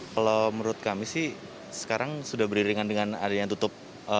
kalau menurut kami sih sekarang sudah beriringan dengan area yang tutup